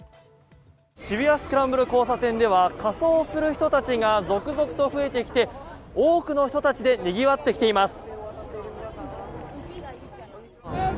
渋谷・スクランブル交差点では仮装する人たちが続々と増えてきて多くの人たちでにぎわってきています。